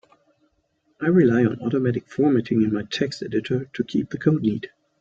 I rely on automatic formatting in my text editor to keep the code neat.